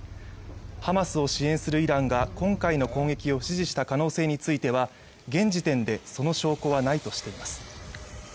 ハマスを支援するイランが今回の攻撃を指示した可能性については現時点でその証拠はないとしています